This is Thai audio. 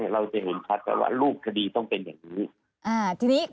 เราจะเห็นชัดก่อนว่ารูปคดีต้องเป็นอย่างนี้ทีนี้